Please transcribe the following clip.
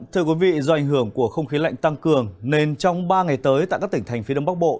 thưa quý vị do ảnh hưởng của không khí lạnh tăng cường nên trong ba ngày tới tại các tỉnh thành phía đông bắc bộ